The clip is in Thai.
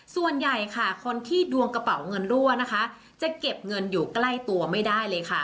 ส่วนใหญ่ค่ะคนที่ดวงกระเป๋าเงินรั่วนะคะจะเก็บเงินอยู่ใกล้ตัวไม่ได้เลยค่ะ